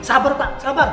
sabar pak sabar